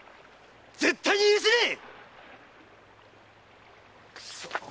絶対に許せねえ‼